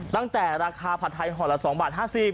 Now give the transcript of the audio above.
ตั้งแต่ราคาผัดไทยห่อละ๒บาท๕๐บาท